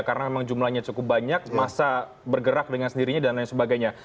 karena memang jumlahnya cukup banyak masa bergerak dengan sendirinya dan lain sebagainya